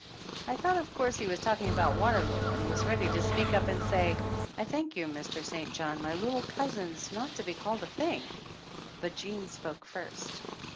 I thought, of course, he was talking about Waterloo, and was ready to speak up and say, "I thank you, Mr. St. John, my little cousin is not to be called a 'thing,' " but Jean spoke first.